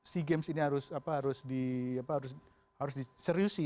sea games ini harus diseriusi